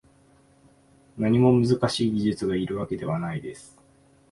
何も難しい技術がいるわけではないです